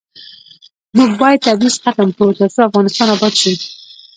موږ باید تبعیض ختم کړو ، ترڅو افغانستان اباد شي.